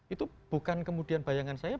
itu bukan kemudian bayangan saya